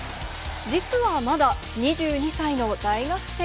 実はまだ２２歳の大学生。